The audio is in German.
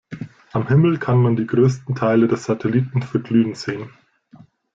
Am Himmel kann man die größten Teile des Satelliten verglühen sehen.